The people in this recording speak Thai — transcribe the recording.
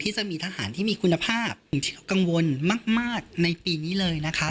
จะมีทหารที่มีคุณภาพกังวลมากในปีนี้เลยนะคะ